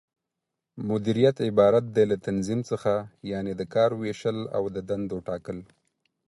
مديريت عبارت دى له تنظيم څخه، یعنې د کار وېشل او د دندو ټاکل